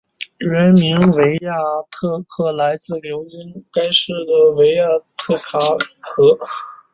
原名维亚特卡来自流经该市的维亚特卡河。